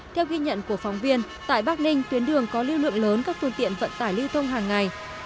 theo ghi nhận của phóng viên tại bắc ninh tuyến đường có lưu lượng lớn các phương tiện vận tải lưu thông hàng ngày